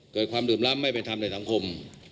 เกิดความลืมล้ำไม่เป็นธรรมในสังคม